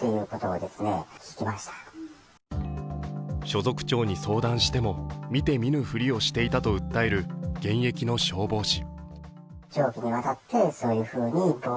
所属長に相談しても見て見ぬふりをしていたと訴える現役の消防士。